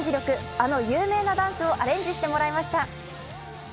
あの有名なダンスをアレンジしてもらいました。